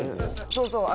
そうそう。